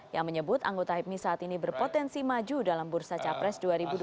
yang menyebut anggota hipmi saat ini berpotensi maju dalam bursa capres dua ribu dua puluh